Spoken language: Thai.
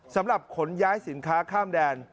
สำหรับขนย้ายสินค้าข้ามแดน